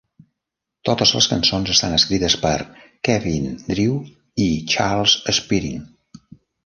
Totes les cançons estan escrites per Kevin Drew i Charles Spearin.